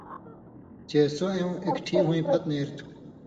چے سو اېوں اېکٹھی ہوئیں پھت نېریۡ تُھو۔